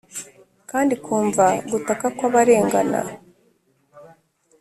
kandi ikumva gutaka kw’ abarengana